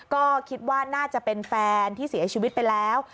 ก็คิดว่าน่าจะเป็นแฟนที่เสียชีวิตไปแล้ว